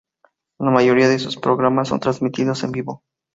La mayoría de sus programas son transmitidos en vivo.